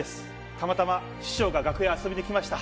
たまたま師匠が楽屋へ遊びに来ました。